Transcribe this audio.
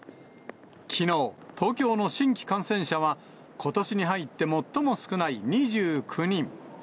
きのう、東京の新規感染者は、ことしに入って最も少ない２９人。